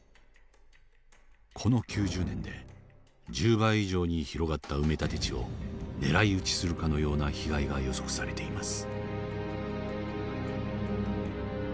この９０年で１０倍以上に広がった埋め立て地を狙い撃ちするかのような被害が予測されています。